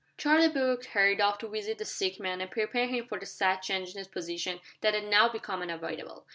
Charlie Brooke hurried off to visit the sick man, and prepare him for the sad change in his position that had now become unavoidable.